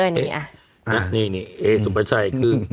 เนี่ยเนี่ยเอสุประชัยคือ